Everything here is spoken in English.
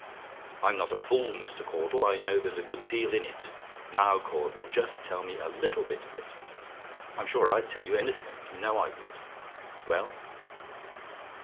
I'm not a fool, Mr. Caudle: I know there's a good deal in it. Now, Caudle, just tell me a little bit of it. I'm sure I'd tell you anything. You know I would. Well?